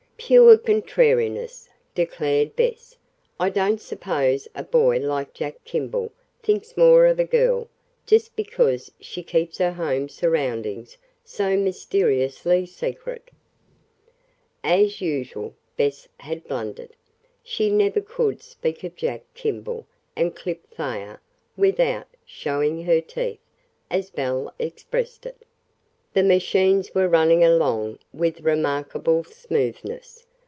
"Pure contrariness," declared Bess. "I don't suppose a boy like Jack Kimball thinks more of a girl just because she keeps her home surroundings so mysteriously secret." As usual, Bess had blundered. She never could speak of Jack Kimball and Clip Thayer without "showing her teeth," as Belle expressed it. The machines were running along with remarkable smoothness.